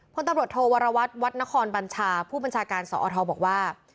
พลตำรวจโทวรวัตรวัดนครบัญชาผู้บัญชาการสอทบอกว่า